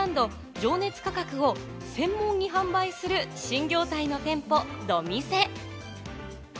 ・情熱価格を専門に販売する新業態の店舗ドミセ。